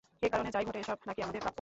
একারণে যাই ঘটে এসব নাকি আমাদের প্রাপ্য।